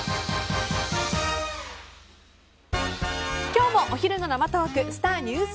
今日もお昼の生トークスター☆